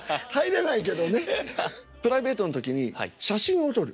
プライベートの時に写真を撮る？